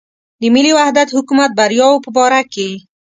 د ملي وحدت حکومت بریاوو په باره کې.